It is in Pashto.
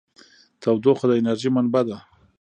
تودوخه د انرژۍ منبع ده.